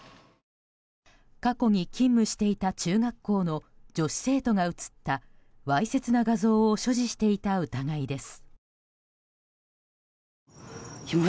過去に勤務していた中学校の女子生徒が映ったわいせつな画像を所持していた疑いです。